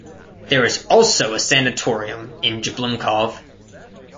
There is also a sanatorium in Jablunkov.